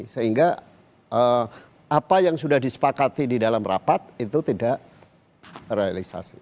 sehingga apa yang sudah disepakati di dalam rapat itu tidak realisasi